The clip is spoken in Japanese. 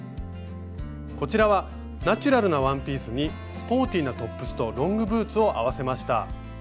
こちらはナチュラルなワンピースにスポーティーなトップスとロングブーツを合わせました。